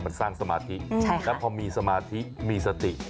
มันสร้างสมาธิแล้วพอมีสมาธิมีสติ